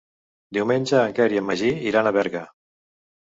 Diumenge en Quer i en Magí iran a Berga.